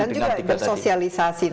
dan juga bersosialisasi